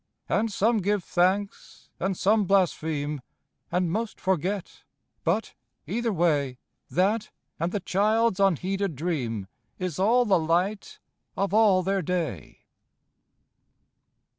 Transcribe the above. And give some thanks, and some blaspheme, And most forget, but, either way, That and the child's unheeded dream Is all the light of all their day.